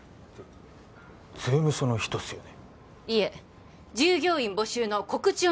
税務署の人っすよね？